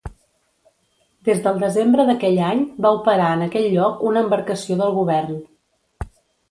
Des del desembre d'aquell any, va operar en aquell lloc una embarcació del govern.